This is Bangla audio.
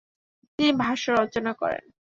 তিনি ভাষ্য রচনা করেন।